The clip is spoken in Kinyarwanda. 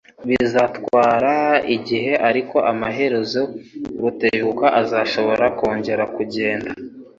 Bizatwara igihe, ariko amaherezo Rutebuka azashobora kongera kugenda.